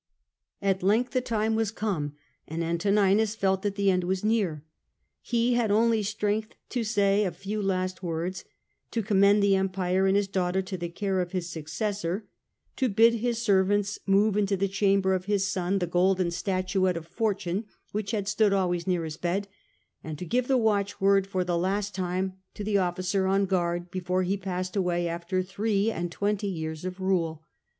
At length the time was come, and Antoninus felt that the end was near. He had only strength to say he a few last words, to commend the empire and left the his daughter to the caie of his successor, to bid his servants move into the chamber of his son 8o The Age of the Antmines, a.d. the golden statuette of Fortune which had stood always near his bed, and to give the watchword for the last time to the officer on guard, before he passed away after three and twenty years of rule.